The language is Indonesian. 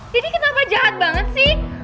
sini kenapa jahat banget sih